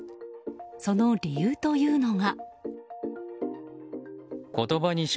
その理由というのが。